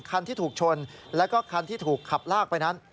คันที่ถูกชนแล้วก็คันที่ถูกขับลากไปนั้น